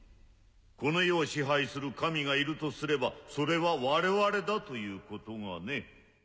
この世を支配する神がいるとすればそれは我々だということがね。